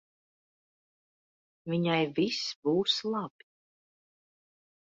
Viņai viss būs labi.